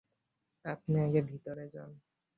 আপনি আগে ভিতরে যান।